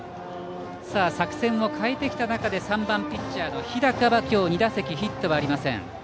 作戦を変えてきた中で３番ピッチャーの日高は今日２打席ヒットはありません。